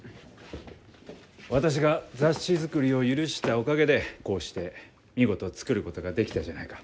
私が雑誌作りを許したおかげでこうして見事作ることができたじゃないか。